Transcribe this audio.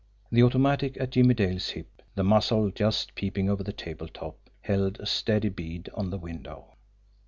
The automatic at Jimmie Dale's hip, the muzzle just peeping over the table top, held a steady bead on the window.